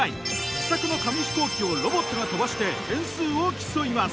自作の紙飛行機をロボットが飛ばして点数を競います。